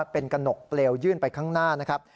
เป็นกระหนกเปลวยื่นไปข้างหน้านะครับ